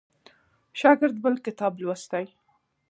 شاګرد بل کتاب لوستی.